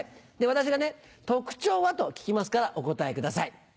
私が「特徴は？」と聞きますからお答えください。